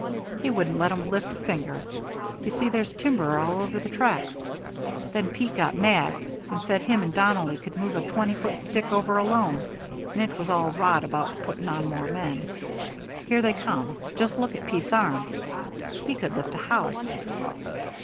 He wouldn't let 'em lift a finger. You see there's timber all over the tracks. Then Pete got mad, and said him and Donnelly could bring a twenty foot stick over alone, and it was all rot about putting on more men. Here they come just look at Pete's arms! He could lift a house."